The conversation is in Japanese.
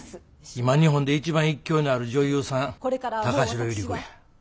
今日本で一番勢いのある女優さん高城百合子や。